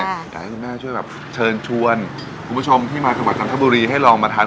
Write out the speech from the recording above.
อยากให้คุณแม่ช่วยแบบเชิญชวนคุณผู้ชมที่มาจังหวัดจันทบุรีให้ลองมาทาน